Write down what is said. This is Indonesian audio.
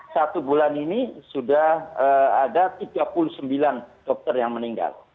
satu bulan ini sudah ada tiga puluh sembilan dokter yang meninggal